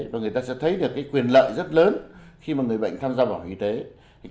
và người ta sẽ thấy được quyền lợi rất lớn khi người bệnh tham gia bảo hiểm y tế